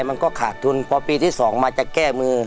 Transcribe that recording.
มันก็ขาดทุนพอปีที่๒มาจะแก้มือ